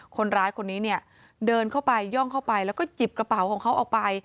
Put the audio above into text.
คนร้ายคนนี้เนี่ยเดินเข้าไปย่องเข้าไปแล้วก็หยิบกระเป๋าของเขาออกไป